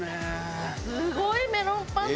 すごいメロンパンの数！